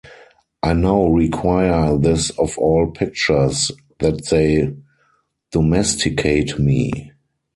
I now require this of all pictures, that they domesticate me.